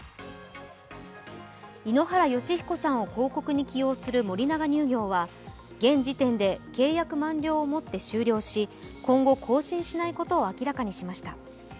井ノ原快彦さんを広告に起用する森永乳業は現時点で契約満了をもって終了し、今後、更新しないことを明らかにしました。